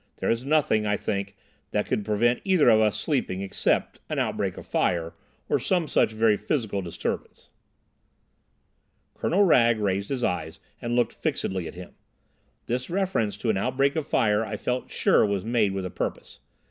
There is nothing, I think, that could prevent either of us sleeping, except—an outbreak of fire, or some such very physical disturbance." Colonel Wragge raised his eyes and looked fixedly at him. This reference to an outbreak of fire I felt sure was made with a purpose.